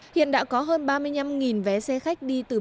hiện đã có hơn ba mươi năm vé xe khách đi tây nguyên